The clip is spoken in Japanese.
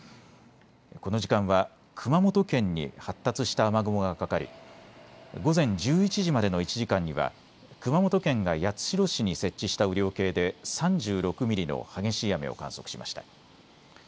この時間は熊本県に発達した雨雲がかかり午前１１時までの１時間には熊本県が八代市に設置した雨量計で３６ミリの激しい雨を観測しました。